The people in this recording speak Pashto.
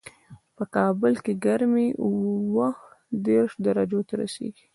په کابل کې ګرمي اووه دېش درجو ته رسېږي